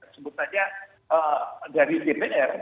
sebut saja dari dpr